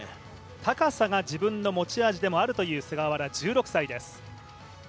高さが自分の持ち味でもあるという菅原、１６歳です。